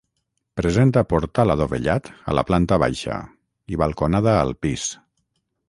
Presenta portal adovellat a la planta baixa i balconada al pis.